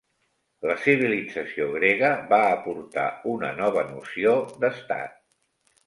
La civilització grega va aportar una nova noció d'estat.